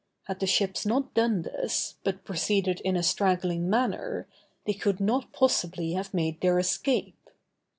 Had the ships not done this, but proceeded in a straggling manner, they could not possibly have made their escape.